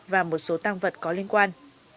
và một số tàng vật có liên quan